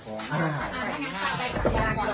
หลงหลง